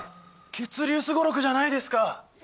「血流すごろく」じゃないですか！